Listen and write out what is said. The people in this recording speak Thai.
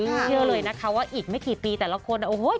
เชื่อเลยนะคะว่าอีกไม่กี่ปีแต่ละคนโอ้โห